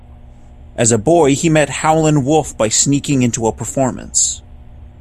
As a boy, he met Howlin' Wolf by sneaking into a performance.